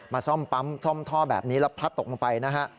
ซ่อมปั๊มซ่อมท่อแบบนี้แล้วพัดตกลงไปนะฮะ